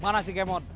mana si kemot